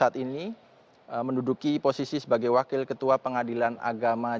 dalam kurun waktu dia juga berpengalaman di makam agung sebagai panitra muda pengadilan agama di ma